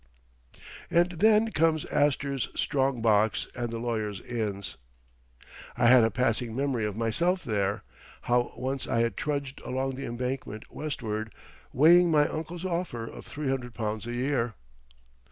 And then comes Astor's strong box and the lawyers' Inns. (I had a passing memory of myself there, how once I had trudged along the Embankment westward, weighing my uncle's offer of three hundred pounds a year....)